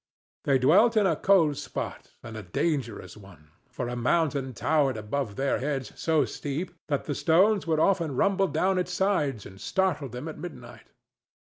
They dwelt in a cold spot and a dangerous one, for a mountain towered above their heads so steep that the stones would often rumble down its sides and startle them at midnight.